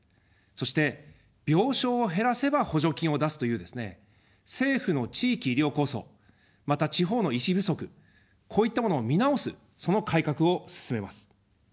そして、病床を減らせば補助金を出すというですね、政府の地域医療構想、また地方の医師不足、こういったものを見直す、その改革を進めます。